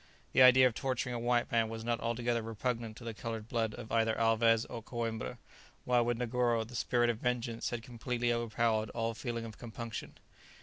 The idea of torturing a white man was not altogether repugnant to the coloured blood of either Alvez or Coïmbra, while with Negoro the spirit of vengeance had completely overpowered all feeling of compunction.